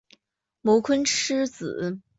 茅坤之子。